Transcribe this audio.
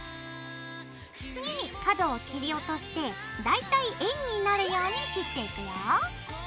次に角を切り落として大体円になるように切っていくよ。